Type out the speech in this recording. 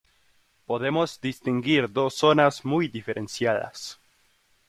Podemos distinguir dos zonas muy diferenciadas.